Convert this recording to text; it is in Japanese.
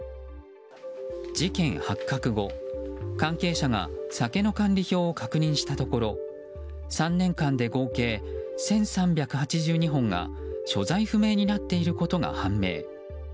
事件発覚後、関係者が酒の管理表を確認したところ３年間で合計１３８２本が所在不明になっていることが判明。